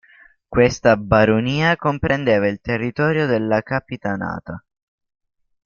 Questa baronia comprendeva il territorio della Capitanata.